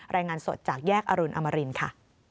รายงานสดจากแยกอรุณอมรินค่ะ